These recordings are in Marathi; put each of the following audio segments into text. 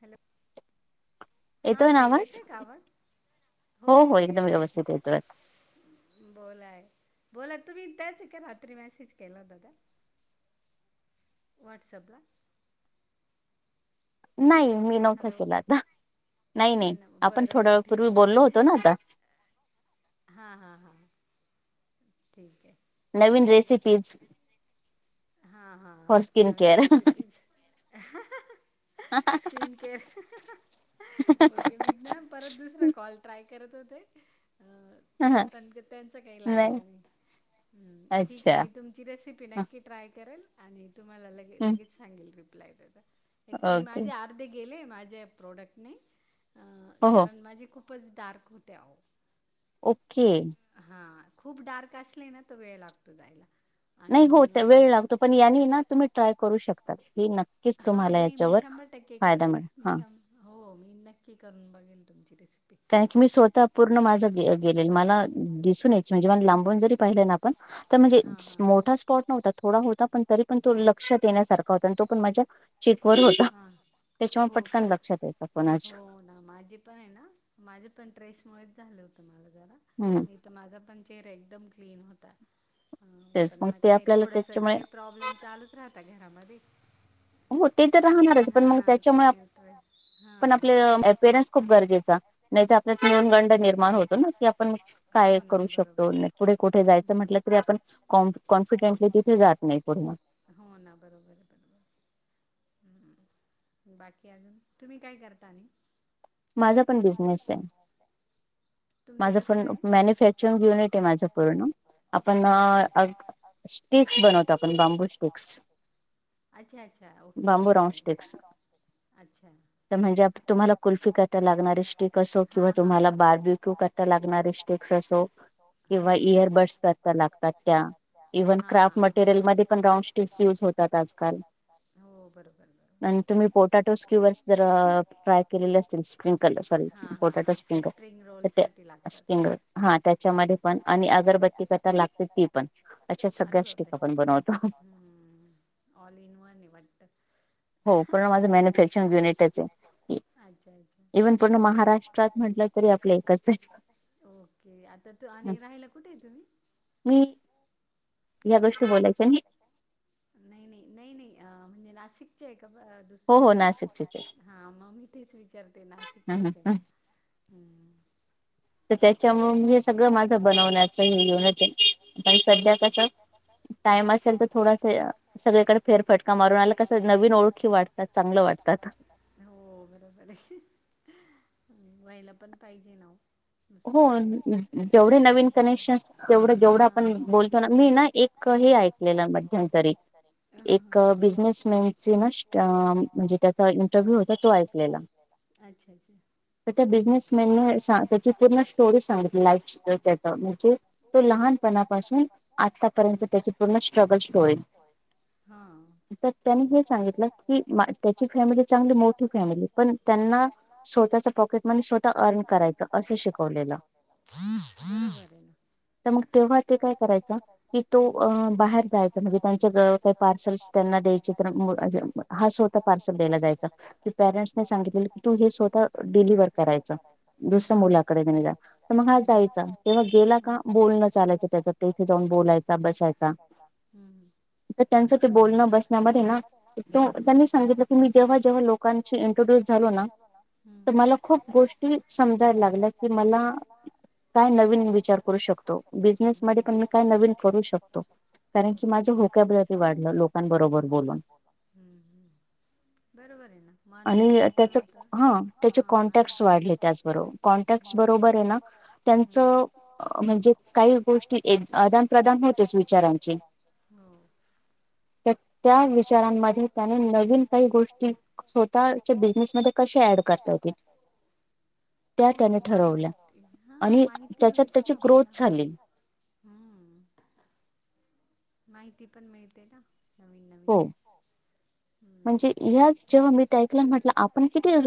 हॅलो, हा ताई येते का आवाज? हो हो येतो येतोय. बोलाय बोला, तुम्ही त्याच का रात्री मेसेज केला होता त्या? व्हाट्सअप ला. नाही मी नव्हंता केला आता. नाही नाही आपण थोड्या वेळापूर्वी बोललो होतो ना आता. हां हां हां ठीक आहे. नवीन रेसिपीज हां हां, नवीन रेसिपीज. Skin care. ओके मी ना परत दुसरा कॉल ट्राय करत होते, अं प त्यांच काही लागलं नाही् ठीके मी तुमची रेसिपी नक्की [unintelligible] अर्धे गेले माझ्या प्रोडक्टने कारण माझे खूपच डार्क होते. ओके. हा खूप डार्क असले ना तो वेळ लागतो जायला आणि वेळ लागतो पण या ना तुम्ही ट्राय करू शकत नकी हा नाही मी शंभर टक्के करेल मी श हो मी नक्की करून बघेन तुमची रेसिपी कारण की मी स्वतः पूर्ण माझा गेलेल मला दिसून यायची म्हणजे मला लांबून जरी पाहिलं ना आपण तर म्हणजे मोठाच. ॉट नव्हता थडा होता पण तरी पण तो लक्षात येण्यासारखा होता आणि तो पण माझ्या चित व होत त्याच्यामुळे पटकन लक्षात येतं कोणाच्य माझे पण आहे ना माझे पण ट्रेसमुळेच झालं होत मला जरा हम्म. तथ माझा पण चेहरा एकदम क्लीन होता पण मग काय थोडंसं काय? प्रॉब्लेम चालूच राहता घरामध्ये हो ते तर राहणारच पण मग त्याच्यामुळे पण आपले अपेरन्स खूप गरजेचा नाही तर आपल्यात ननगंड निर्माण होतो ना कि आपण काय करू शकतो नाही पुढे कुठे जायचं म्हटलं तरी आपण कॉन्फिडेंटली तिथे जात नाही पूर्ण ते हो ना बरोबर आहे बरोबर. ह बाकी अजून तुम्ही काय करता नि? माझा पण बिझनेस आहे. माझं पूर्ण मॅन्युफॅक्चरिंग युनिट आहे माझं पूर्ण आपण ्टेक्स बनवतो आपण बांबू स्टेक््स अच्छा अच्छा ओके ओके अच्छा म्हणज तुम्हाला कुलची कस लागणार शिक तुम्हाला बाजू कस लागणार. हा हा इयरबड लागतात त्याॉफ हा हा मटेरियल म पण आजकाल हो. आणि तुम्ही पोटॅटो क्युस जर फ्राय केलेले सॉ हा. पण आणि अगरबत्ती क लागते ती पण अश सगळ्याण बन हम्म ऑल इनवा वाट. हो पूर्ण माझं मॅन्युफॅक्चरिंग युनिटच आहे. अच्छा अच्छा पुढ महाराष्ट्रात म्हटलं तरी आपल्या आता त आणि राहायला कुठे आहे तुम्ही? मी या गोष्टी बोलायच आणि नाही नाही नाही नाही म्हणजे नाशिकचे ए दुसरे असंहो नाशिक हा मग मी तेच विचारते नाशिकच्याच आहे ना हम्म. ठीक आहे त्याच्यामु माझा बन. टाइम असेल तर थोडासा सगळीकडे फेरफटका मारून आला कसं नवीन ओळखी वाटतात. चांगलं वाटतात. हो बरोबर आहे व्हायला पण पाहिजे नाव पुस्तक आहे आयुष्य हा. नाही ना एक हे ऐकले ना पण नतरी एक बिजनेसमॅन म अच्छा अच्छा. तर त्या बिझनेसमॅन सा त्याचे पूर्ण तर स्टोरी सांगितली लाईफची त्याची म्हणजे ते लहानपणापासून आठ आतापर्यंत [unintelligible] हा. तर त्याने तेच सांगितलं की त्याची फॅमिली चांगली मोठी फॅमिली पण त्यांना स्वतःचा पॉकेटमनी स्वतः अर्न करायचं असस शिकवलेल [unintelligible] तर मग तेव्हा ते काय करायचं तर तो बाहेर जायचा म्हणजे त्यांचे काही पार्सल त्यांना द्यायचे तर [unintelligible] हा स्वतः पार्सल दिला जायचा पॅरेंट्सला सांगते तू हे स्वतः डिलिव्हर करायच हम्म. तर मग काय करायचं तेव्हा मुलांना बोलण चालायचं त्याचा [unintelligible] बोलायचा भेटायचा. हम्म हम्म. त्यांचं ते बोलणं बसण्यामध्ये ना त त्यांनी सांगितलं तुम्ही जेव्हा जेव्हा लोकांच्या पुढे झालो ना, हम्म तर मला खूप गोष्टी समजायचे की मला काय नवीन विचार करू शकतो [unintelligible] नवीन करू शकतो कारण की माझ्या [unintelligible] लोकांबरोबर बोलण बरोबर आहे ना मन मोकळं पण होतं आणि त्याचे हा, त्याचे कॉन्टॅक्ट वाढले त्याचबरोबर. कॉन्टॅक्ट बरोबर आहे ना त्यांच म्हणजे काही गोष्टी अदान प्रदान होते विचारांची. हो. तर त्या विचारांमध्ये त्याने नवीन काही गोष्टी स्वतःची [unintelligible] बिजनेस मध्ये कसे ऍड करता येईल त्या त्याने हा [unintelligible] माहिती मिळते ना आपल्याला हम्म माहिती पण मिळते ना नवीन नवीन. हो. हम्म म्हणजे या [unintelligible] म्हटलं आपण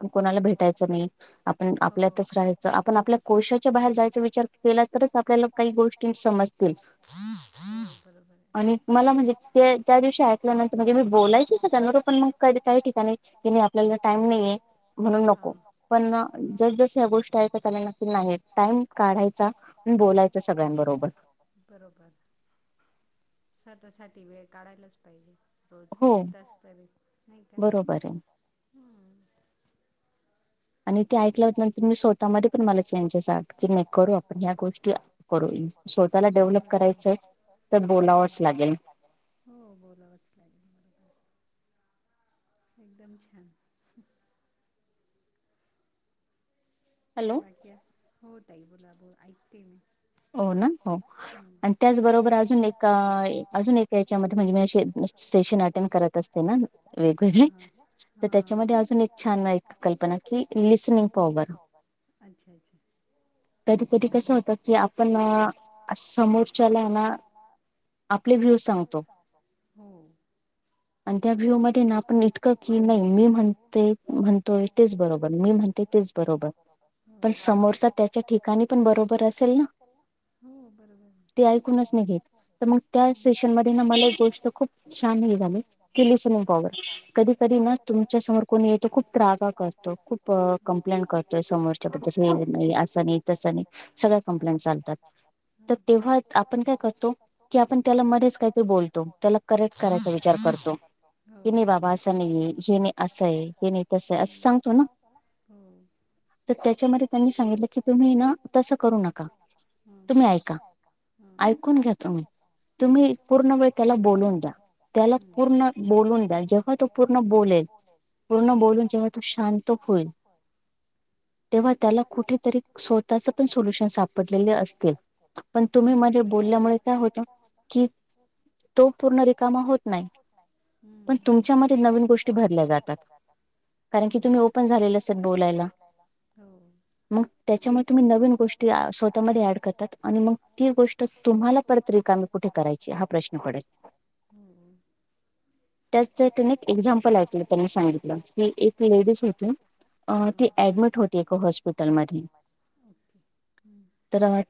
[unintelligible] कोणाला भेटायचं नाही आपण आपल्यातच राहायचं आपण आपल्या कोशाच्या बाहेर जायचा विचार केला तरच आपल्याला काही गोष्टी समज समजणार हम्म बरोबर आहे. आणि मला म्हणजे ते त्या दिवशी ऐकल्यानंतर म्हणजे मी बोलायच त्यावर पण मग कधी काही ठिकाणी आपल्याला टाइम नाहीये, हा येऊ नको [unintelligible] टाईम काढायच बोलायच सगळ्यांबरोबर. बरोबर. त्यासाठी वेळ काढायलाच पाहिजे. रोज एक तास तरी, हो, नाही का, बरोबर हम्म. आणि ते ऐकलं होत नंतर मी स्वतः म पण मला चेंजेस [unintelligible] की नाही करू आपण ह्या गोष्टी करू, स्वतःला डेव्हलप करायचंय तर बोलावंच लागेल. हो बोलावंच लागेल बरोबर आहे. एकदम छान. बाकी हो ताई बोला ब ऐकतेय मी. हो ना आणि त्याचबरोबर अजून एक अजून एक याच्यामध्ये [unintelligible] स्पेशल आयटम करायचं असतं ना, हा [unintelligible] हा हा त्याच्यामध्ये अजून एक छान आय [unintelligible] अच्छा. कधी कधी कसं होत की आप की आपण समोरच्याला ना आपले व्ह्यू सांगतो, हो. आणि त्या फ्लो मध्ये ना आपण इतकंच नाही मी म्हणतो म्हणतोय तेच बरोबर मी म्हणतो तेच बरोबर हो पण समोरचा त्याच्या त्याने पण बरोबर असेल ना. हो बरोबर. ते ऐकूनच नाही त्या स्टेशन म मला गो खूप छान हो री तुमच्या समोर कोणी येत खूप त्रग हो कंप्लेन करतो समो असं कस नाही स कप् व्हा आप काय करतो आपण त्या मध्येच काहीतरी बोलतो त तुम्ही बाबा असाल तुम्ही असाल हम्म हम्म तर त्याच्यामध्ये त्यांनी सांगितलं की तुम्ही ना म ना तसं करू नका तुम्ही ऐका ऐकून घ्या तुम्ही पूर्ण वेळ त्याला बोलून द्या त्याला पूर्ण बून द्या जेव्हा तो पूर्ण बोलेल पूर्ण बोलून जेव्हा त होईल तेव्हा त्याला कुठेतरी स्वतःच पण सोल्युशन सापडलेले अस तुम्ही माझ्या बोलल्यामुळे काय होता क तो पूर्ण रिकामा होत नाही पण तुमच्यामध्ये नवीन गोष्टी भरल्या जातात नकी तुम्ही ओपन झालेले असर बोलायला मग त्याच्यामुळे तुम्ही नवीन गोष्टी स्वतःमध्ये ऍड करता आणि मग ती गोष्ट तुम्हाला परत रिकामी कुठे करायची हा प्रश्न पडयल हम्म त्या त एक एक्झाम्पल ऐक त्यांनी सांगितलं लेस हो ऍडमिट होते तो हॉस्पिटल म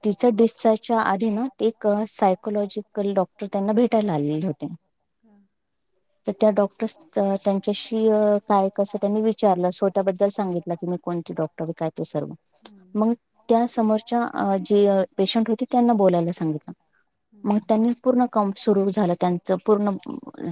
तर तिच्या दिसाच्या आधीन एक सायकोलॉजिकल डॉक्टर त्यांना भेटायला आलेले होते ह तर त्या डॉक्टरस त्यांच्याशी काय कसं त्यांनी विचारलं स्वतःबद्दल सांगितलं की म ण डॉक्टर काय सर्व म त्या समो जी पेशंट होती त्यांना बोलायला सांगितलं मग त्यांनी पूर्ण काम सुरू झालं त्यांच पूर्ण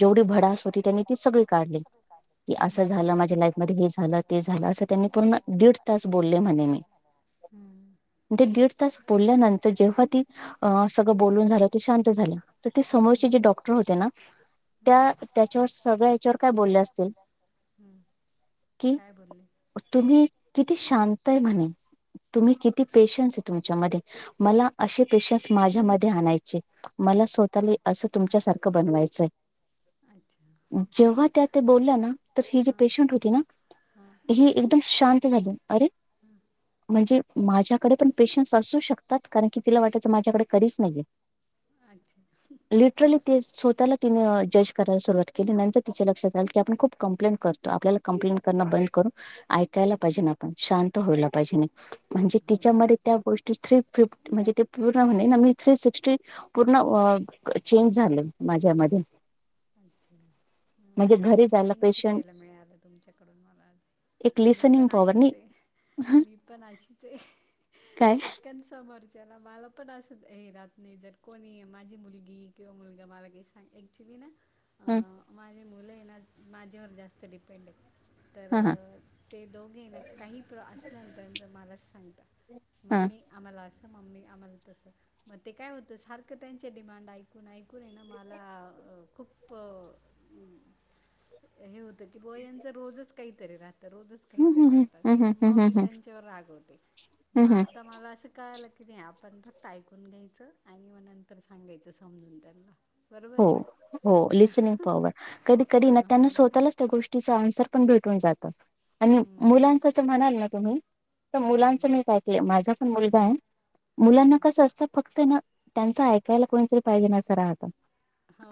जेवढी भडास होती त्यांनी ती सगळी काढली की असं झालं माझ्या लाईफ मध्ये हे झालं ते झालं असं त्यांनी पूर्ण दीड तास बोलले म्हणे मी हम्म तास बोलल्यानंतर जेव्हा ती सगळं बोलून झालं ते शांत झालं तर ते समोरचे जे डॉक्टर होते ना त्या त्याच्यावर सगळ याच्यावर काय बोलले असतील काय बोलले तुम्ही किती शांत आहे म्हणे तुम्ही किती पेशन्स आहे तुमच्यामध्ये मला असे पेशनस माझ्या म आणायचे मला स्वतः अस तम सारखं बनवायचं अच्छा जेव्हा त्या ते बोलल्या ना तर ही जी पेशंट होती ना ही एक शांत झाले अरे म्हणजे माझ्याकडे पण पेशंट्स असू शकतात कारण की तिला वाटायचं माझ्याकडे करीच नाहीये अच्छा लिटरली ते स्वतःला तिने जज करायला सुरवात केली नंतर तिच्या लक्षात आलं की आपण खूप कं्प्लेंट करतो आपल्याला कंप्लेंट करणं बंद करून ऐकायला पाहिजे ना आपण शांत व्हायला पाहिजे ना म्हणजे तिच्यामध्ये त्या गोष्टी थ्री फिफ्टी म्हणजे ते पूर्ण म्हणे ना मी थ्री सिक्स्टी पूर्ण चेंज झालं माझ्या म अच्छा हम् एक नवीन शिकायला मिळालं तुमच्याकडून मला मी पण अशीचय. मी पण अशीचय. पट कन समोरच्याला. माला पण असचं हे राहत नाही. जर कोणी, माझी मुलगी किंवा मुलगा माला गेस सांग. ॲक्च्युली ना माझी मुलं आहे ना. माझ्यावर जास्त डिपेंडयत. तर ते दोघे ना, काही प्रा असल्या नं त्याचं, मलाच सांगतात. मम्मी आम्हाला असं, मम्मी आम्हाला तसं. मग ते काय होतं, सारखं त्यांचे डिमांड ऐकून - ऐक न ये ना मला, खूप हे हो की बॉ यांच रोजच, काहीतरी राहतं. रोजच काहींत राहत असं. मग मी त्यांच्यावर रागवते. मग आता मला असं कळालं कि, नाही आपण फक्त ऐकून घ्यायचं. आणि मग नंतर सांगायचं, समजून त्यांना. बरोबर ना? हो, लिसनिंग पॉवर. कधी - कधी ना त्यांना, स्वतःलाच त्या गोष्टीच अन्सर पण भेटून जात. आणि मुलांच तर म्हणाल ना, तुम्ही. तर मुलांचं मी काय केलं. माझा पण मुलगाय. मुलांना कसं असतं. फक्त ना त्यांच, ऐकायला कोणीतरी पाहिजेना, असं राहतं.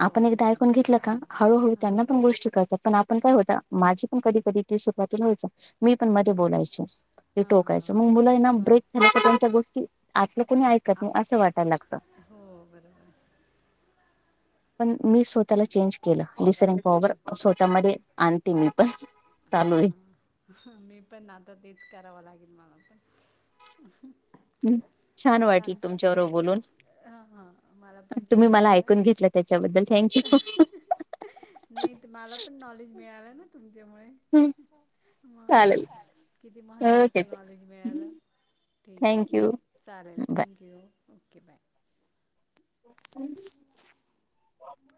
आपण एकदा ऐकून घेतलं का? हळूहळू त्यांना पण गोष्टी कळतात. पण पण काय होत, माझी पण कधी - कधी ती सुपातीनं होयचं. मी पण मध्ये बोलायचे. ते टोकायचं. मग मुलंयना ब्रेक त्यांच्या - त्यांच्या गोष्टी, आपलं कोणी ऐकत नाही, असं वाटायला लागतं. हो, बरोबरय. पण मी स्वतःला चेंज केलं. लिसनींग पॉवर, स्वतःमध्ये आणते, मी पण. हा, हा. ह, मी पण आता तेच, करावं लागेल मला पण. [unintelligible] हम्, छानं वाटल, तुमच्याबरोबर बोलून. तुम्ही मला ऐकून घेतलं. त्याच्याबद्दल, थँंक यू. नाही त मला पण नॉलेज मिळालं ना, तुमच्यामुळे. ह, मग. किती महत्त्वाच नॉलेज मिळालं. ठीके, ठीके. चालेल. Thank you. Okay, bye. [inaudible]